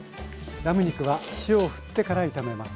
ラム肉は塩をふってから炒めます。